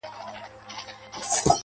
څوک چي له گلاب سره ياري کوي,